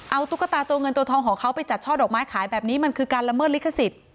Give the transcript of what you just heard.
เอาตุ๊กตาตัวเงินตัวทองของเขาไปจัดช่อดอกไม้ขายแบบนี้มันคือการละเมิดลิขสิทธิ์